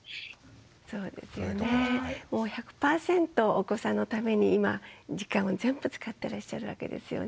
お子さんのために今時間を全部使ってらっしゃるわけですよね。